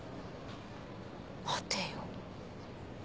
待てよ。